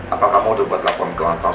apa kamu udah buat laporan kewantan